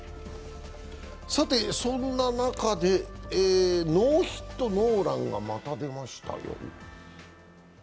さて、そんな中で、ノーヒットノーランがまた出ましたよ。